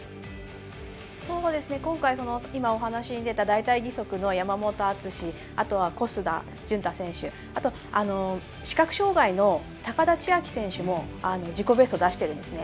今回、今お話に出た大たい義足の山本篤あとは小須田潤太選手あと視覚障がいの高田千明選手も自己ベストを出しているんですね。